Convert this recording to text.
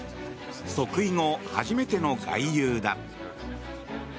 即位後初めての外遊だ。